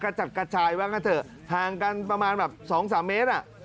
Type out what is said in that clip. กระจักกระจายบ้างก็เถอะห่างกันประมาณ๒๓เมตร